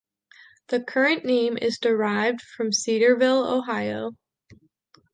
The current name is derived from Cedarville, Ohio.